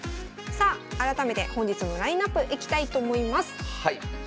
さあ改めて本日のラインナップいきたいと思います。